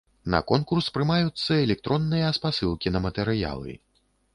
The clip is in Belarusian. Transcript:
На конкурс прымаюцца электронныя спасылкі на матэрыялы.